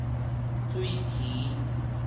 水蜞